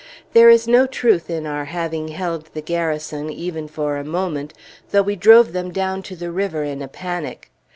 There is no truth in our having held the Garrison even for a moment, though we drove them down to the river in a panic.